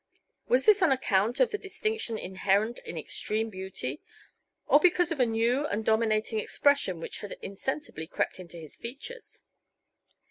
Was this on account of the distinction inherent in extreme beauty or because of a new and dominating expression which had insensibly crept into his features?